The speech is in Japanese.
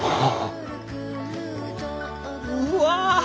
うわ！